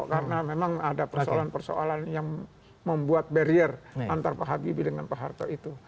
karena memang ada persoalan persoalan yang membuat barrier antar pak habibie dengan pak harto itu